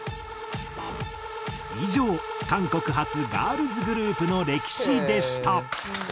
以上韓国発ガールズグループの歴史でした。